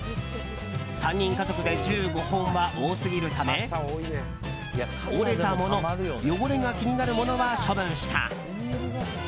３人家族で１５本は多すぎるため折れたもの汚れが気になるものは処分した。